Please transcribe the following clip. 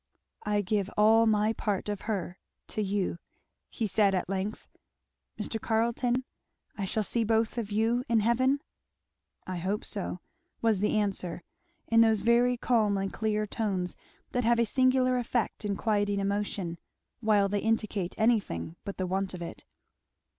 "I give all my part of her to you," he said at length. "Mr. Carleton, I shall see both of you in heaven?" "I hope so," was the answer, in those very calm and clear tones that have a singular effect in quieting emotion, while they indicate anything but the want of it.